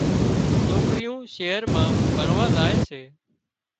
سوڪريون شهر مان ڀڻوا زائي سي